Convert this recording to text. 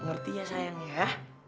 ngerti ya sayang ya